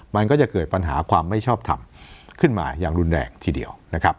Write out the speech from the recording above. มันก็จะเกิดปัญหาความไม่ชอบทำขึ้นมาอย่างรุนแรงทีเดียวนะครับ